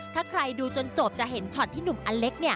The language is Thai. ถ้าใครดูจนจบจะเห็นช็อตที่หนุ่มอเล็ก